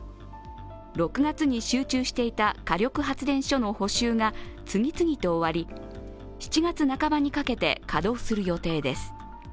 ６月に集中していた火力発電所の補修が次々と終わり７月半ばにかけて稼働する予定です。